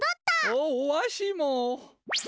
おわしも！